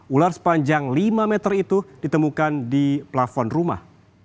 ular sepanjang lima meter itu ditemukan di plafon rumah